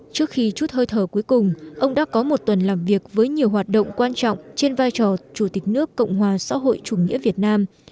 trước khi chút hơi thở cuối cùng ông đã có một tuần làm việc với nhiều hoạt động quan trọng trên vai trò chủ tịch nước cộng hòa xã hội chủ nghĩa việt nam